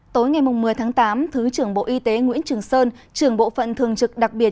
tối ngày một mươi tháng tám thứ trưởng bộ y tế nguyễn trường sơn trưởng bộ phận thường trực đặc biệt